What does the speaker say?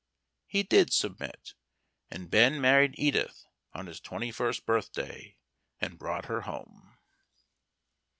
He did submit, and Ben married Edith on his twenty first birthday, and brought her home.